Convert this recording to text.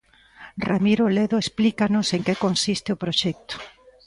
Ramiro Ledo explícanos en que consiste o proxecto.